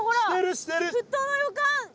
沸騰の予感！